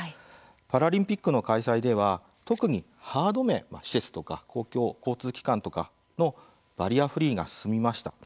パラリンピックの開催では特にハード面施設とか公共交通機関とかのバリアフリーが進みました。